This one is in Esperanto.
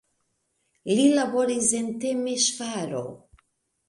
Li laboris en Temeŝvaro.